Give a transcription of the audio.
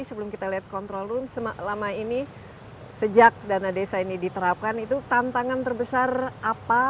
sebelum kita lihat control room selama ini sejak dana desa ini diterapkan itu tantangan terbesar apa